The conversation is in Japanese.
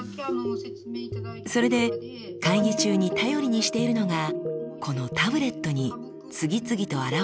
それで会議中に頼りにしているのがこのタブレットに次々とあらわれる文字です。